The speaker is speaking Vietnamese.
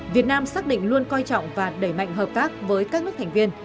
việt nam xác định luôn coi trọng và đẩy mạnh hợp tác với các nước thành viên